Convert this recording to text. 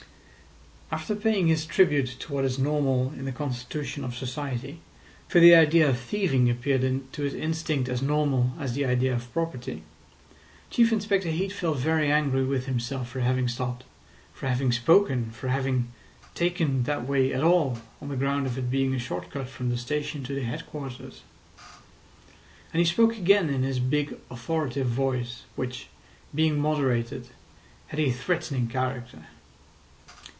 After paying this tribute to what is normal in the constitution of society (for the idea of thieving appeared to his instinct as normal as the idea of property), Chief Inspector Heat felt very angry with himself for having stopped, for having spoken, for having taken that way at all on the ground of it being a short cut from the station to the headquarters. And he spoke again in his big authoritative voice, which, being moderated, had a threatening character.